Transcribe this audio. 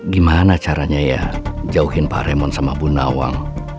gimana caranya ya jauhin pak remon sama bu nawang